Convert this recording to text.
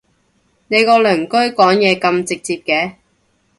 你個鄰居講嘢咁直接嘅？